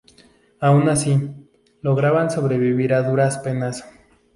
Aun así, lograban sobrevivir a duras penas.